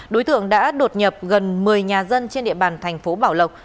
đối tượng đã đột nhập gần một mươi nhà dân trên địa bàn thành phố bảo lộc